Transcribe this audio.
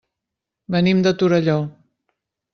Venim de Torelló.